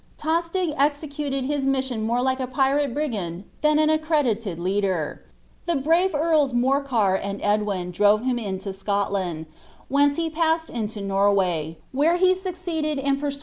Tostig executed his mission more like a pirate brigand than an ace» dfled leader. The brave earls Morcar and Edwin drove him into Scot land, whence he passed into Norway, where he succeeded in persiMiUiig France, vol.